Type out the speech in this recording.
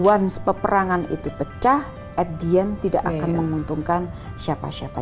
once peperangan itu pecah at the end tidak akan menguntungkan siapa siapa